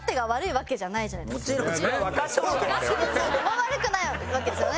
悪くないわけですよね。